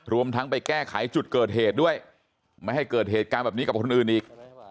รวมทั้งไปแก้ไขจุดเกิดเหตุด้วยไม่ให้เกิดเหตุการณ์แบบนี้กับคนอื่นอีก